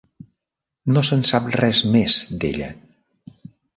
No se'n sap res més d'ella.